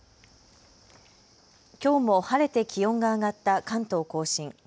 きょうも晴れて気温が上がった関東甲信。